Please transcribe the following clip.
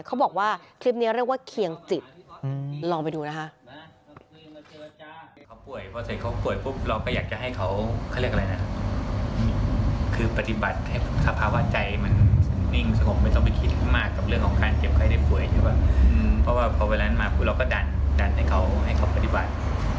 เขาบอกว่าคลิปนี้เรียกว่าเคียงจิต